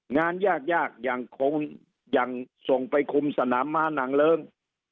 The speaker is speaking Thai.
งานยากยังส่งไปคุมสนามม้านังเลิศ